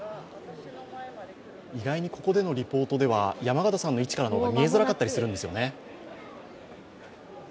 意外にここでのリポートでは山形さんの位置からの方が見えづらかったりするんですよね。